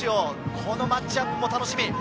このマッチアップも楽しみ。